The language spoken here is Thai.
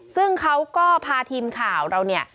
ซึ่งเขาก็พาทีมข่าวเราเนี่ย